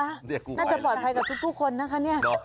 น่าจะปลอดภัยกับทุกคนนะคะเนี่ย